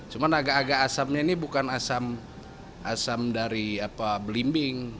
cuman agak agak asamnya ini bukan asam dari belimbing